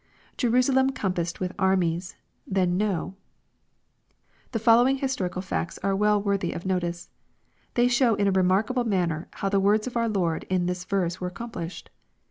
\Jerusalem compassed with armies^ then know.] The following historical facts are well worthy of notice. They show in a re markable manner how the words of our Lord in this verse were accomplished.